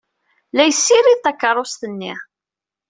La yessirid takeṛṛust-nni.